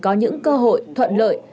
có những cơ hội thuận lợi